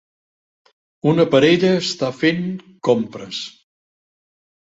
Una parella està fent compres